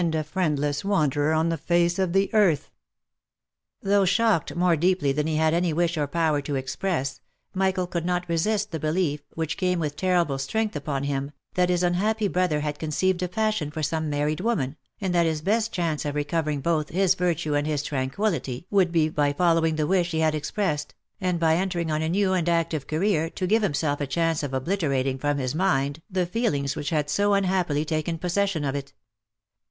a friendless wan derer on the face of the earth." Though shocked more deeply than he had any wish or power to express, Michael could not resist the belief, which came with terrible strength upon him, that his unhappy brother had conceived a passion for some married woman, and that his best chance of recovering both his virtue and his tranquillity would be by following the wish he had expressed, and by entering on a new and active career, to give himself a chance of obliterating from his mind the feelings which had so un happily taken possession of it.